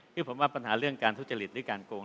คือผมว่าปัญหาเรื่องการทุจริตหรือการโกง